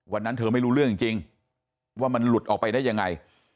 วันนั้นเธอไม่รู้เรื่องจริงว่ามันหลุดออกไปได้ยังไง